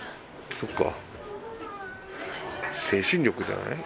そっか。